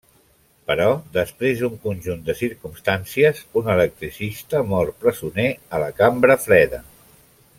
Però després d'un conjunt de circumstàncies, un electricista mor presoner a la cambra freda.